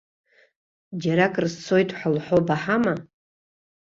Џьаракыр сцоит ҳәа лҳәо баҳама?